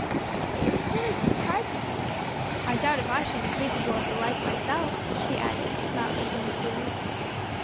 "But your courage surprises me, I doubt if I should be capable of the like myself," she added, smiling through her tears.